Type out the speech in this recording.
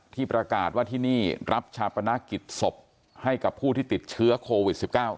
ที่ประกาศว่าที่นี่รับชาปนกิจศพให้กับผู้ที่ติดเชื้อโควิด๑๙